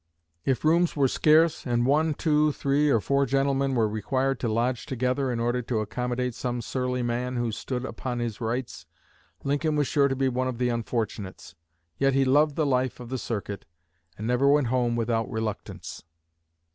If rooms were scarce, and one, two, three, or four gentlemen were required to lodge together in order to accommodate some surly man who "stood upon his rights," Lincoln was sure to be one of the unfortunates. Yet he loved the life of the circuit, and never went home without reluctance.